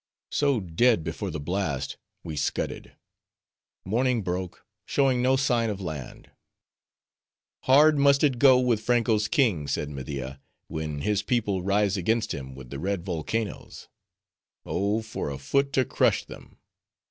So dead before the blast, we scudded. Morning broke, showing no sign of land. "Hard must it go with Franko's king," said Media, "when his people rise against him with the red volcanoes. Oh, for a foot to crush them!